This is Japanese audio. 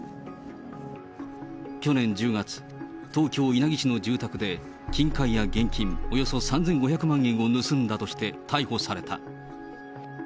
去年１０月、東京・稲城市の住宅で金塊や現金およそ３５００万円を盗んだとして逮捕された。